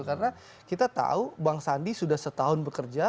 karena kita tahu bang sandi sudah setahun bekerja